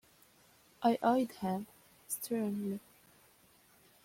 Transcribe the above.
I eyed him sternly.